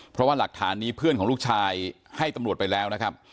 เพราะว่าหลักฐานนี้เพื่อนของลูกชายให้ตำรวจไปแล้วนะครับ